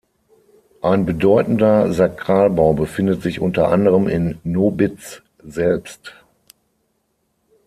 Ein bedeutender Sakralbau befindet sich unter anderem in Nobitz selbst.